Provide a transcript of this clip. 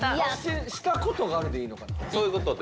「したことがある」でいい？